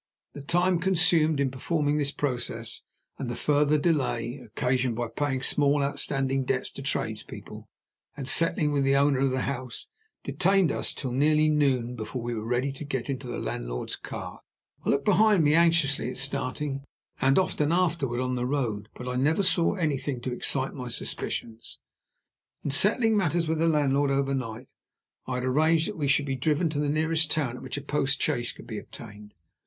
The time consumed in performing this process, and the further delay occasioned by paying small outstanding debts to tradespeople, and settling with the owner of the house, detained us till nearly noon before we were ready to get into the landlord's cart. I looked behind me anxiously at starting, and often afterward on the road; but never saw anything to excite my suspicions. In settling matters with the landlord over night, I had arranged that we should be driven to the nearest town at which a post chaise could be obtained.